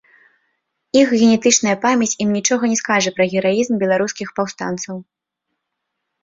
Іх генетычная памяць ім нічога не скажа пра гераізм беларускіх паўстанцаў.